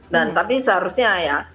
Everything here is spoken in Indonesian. dan tapi seharusnya ya